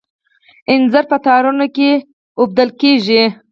انځر په تارونو کې اوډل کیږي.